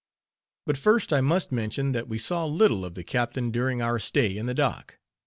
But first, I must mention that we saw little of the captain during our stay in the dock.